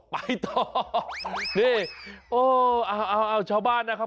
นี่โอ้ชาวบ้านนะครับ